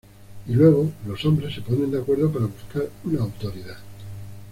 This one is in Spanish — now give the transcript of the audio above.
Y luego los Hombres se ponen de acuerdo para buscar una autoridad.